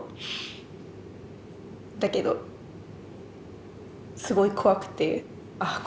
だけどすごい怖くてあ